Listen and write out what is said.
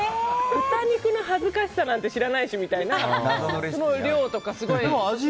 豚肉の恥ずかしさなんて知らないしみたいな。